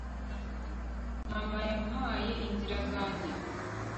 mama yampaye inzira zanjye